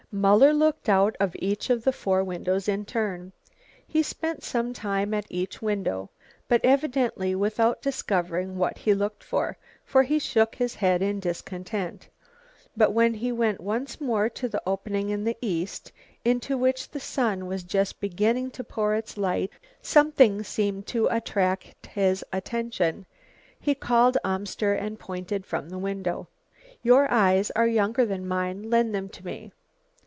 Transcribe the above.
Muller looked out of each of the four windows in turn. He spent some time at each window, but evidently without discovering what he looked for, for he shook his head in discontent. But when he went once more to the opening in the East, into which the sun was just beginning to pour its light, something seemed to attract his attention. He called Amster and pointed from the window. "Your eyes are younger than mine, lend them to me.